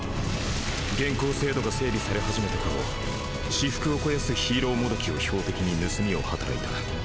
現行制度が整備され始めた頃私腹を肥やすヒーローモドキを標的に盗みを働いた。